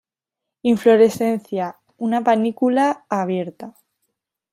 Inflorescencia una panícula abierta.